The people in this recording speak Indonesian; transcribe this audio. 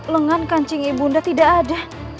lengan kancing ibu dan tidak ada